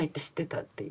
っていう。